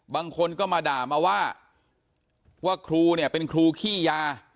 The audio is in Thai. บางคนก็มาด่ามาว่าว่าครูเนี่ยเป็นครูขี้ยา